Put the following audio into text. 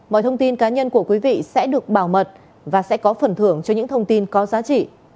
mọi thông tin cá nhân của quý vị sẽ được bảo mật và sẽ có phần thưởng cho những thông tin có giá trị